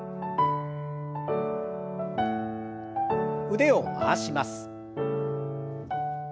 腕を回します。